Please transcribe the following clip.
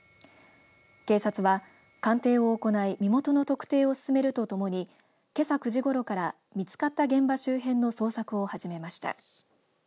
警察は鑑定を行い身元の特定を進めるとともにけさ９時ごろから見つかった現場周辺の捜索を始めました。